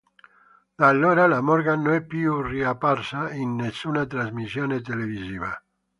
Da allora la Morgan non è più riapparsa in nessuna trasmissione televisiva.